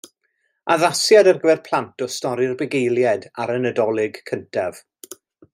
Addasiad ar gyfer plant o stori'r bugeiliaid ar y Nadolig cyntaf.